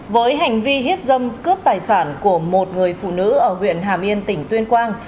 với hành vi hiếp dâm cướp tài sản của một người phụ nữ ở huyện hà miên tỉnh tuyên quang